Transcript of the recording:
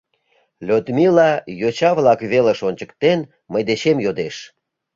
— Людмила, йоча-влак велыш ончыктен, мый дечем йодеш.